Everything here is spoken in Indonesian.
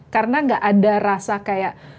karena nggak ada rasa kayak